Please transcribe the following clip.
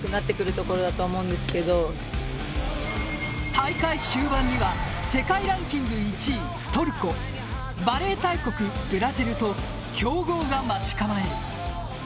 大会終盤には世界ランキング１位、トルコバレー大国ブラジルと強豪が待ち構える。